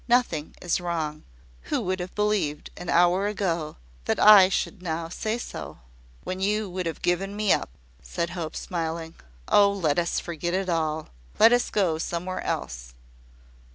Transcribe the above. "Nothing is wrong. Who would have believed, an hour ago, that I should now say so?" "When you would have given me up," said Hope, smiling. "Oh, let us forget it all! Let us go somewhere else.